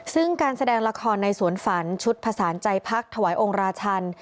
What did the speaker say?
ซึ่งการแสดงละครในสวนฝันชุดผสานใจพักถวายองค์ราชัน